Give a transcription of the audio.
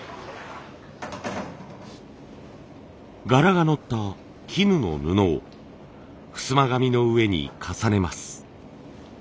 柄がのった絹の布をふすま紙の上に重ねます。